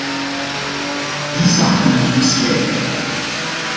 Die zaken moeten we scheiden.